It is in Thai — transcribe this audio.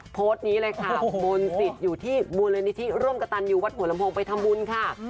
มนศิษย์อยู่ที่บูรณนิษฐิร่วมกระตันอยู่วัดหัวลำโพงไปทะมุนค่ะ